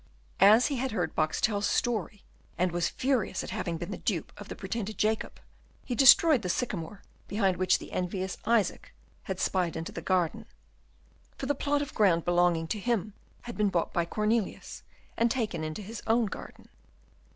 As he had heard Boxtel's story, and was furious at having been the dupe of the pretended Jacob, he destroyed the sycamore behind which the envious Isaac had spied into the garden; for the plot of ground belonging to him had been bought by Cornelius, and taken into his own garden.